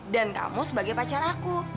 dan kamu sebagai pacar aku